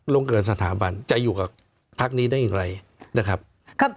เกินสถาบันจะอยู่กับพักนี้ได้อย่างไรนะครับ